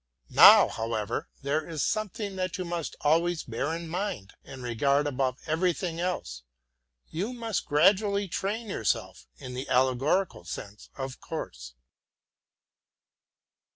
Now, however, there is something that you must always bear in mind, and regard above everything else. You must gradually train yourself in the allegorical sense, of course.